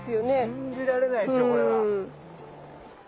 信じられないですよこれは。